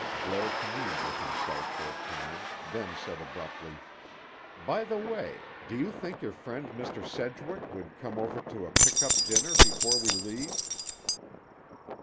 Blair communed with himself for a time, then said abruptly, "By the way, do you think your friend Mr. Sedgwick would come over to a pick up dinner before we leave?"